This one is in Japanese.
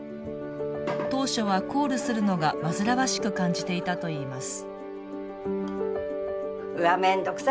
当初はコールするのが煩わしく感じていたといいます。